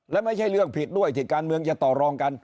และไม่ใช่เรื่องผิดด้วยที่การเมืองจะต่อรองกัน